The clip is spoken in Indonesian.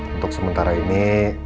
untuk sementara ini